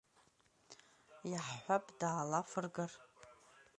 Иаҳҳәап, даалафыргар?